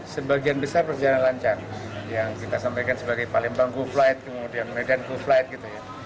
sebagian besar berjalan lancar yang kita sampaikan sebagai palembang goflight kemudian medan goflight